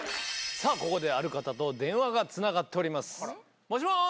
さぁここである方と電話がつながっております。